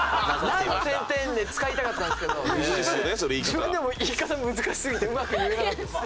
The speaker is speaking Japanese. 「ナ」に点々で使いたかったんですけど自分でも言い方難しすぎてうまく言えなかったです。